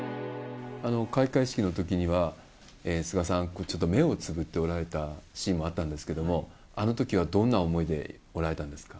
開会式のときには、菅さん、ちょっと目をつむっておられたシーンもあったんですけれども、あのときはどんな思いでおられたんですか？